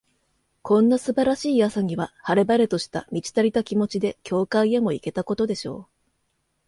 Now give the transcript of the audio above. こんな素晴らしい朝には、晴れ晴れとした、満ち足りた気持ちで、教会へも行けたことでしょう。